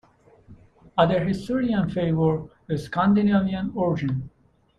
Other historians favour a Scandinavian origin.